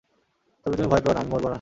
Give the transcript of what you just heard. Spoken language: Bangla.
তবে তুমি ভয় পেয়ো না, আমি মরবো না।